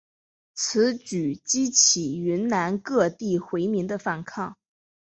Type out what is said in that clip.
此举激起云南各地回民的反抗。